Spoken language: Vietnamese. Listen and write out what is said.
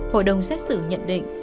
hội đồng xét xử nhận định